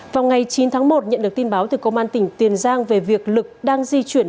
vào ngày chín tháng một nhận được tin báo từ công an tỉnh tiền giang về việc lực đang di chuyển